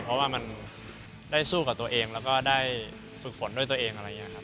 เพราะมันได้สู้กับตัวเองและก็ได้อุติภธรขายตัวเอง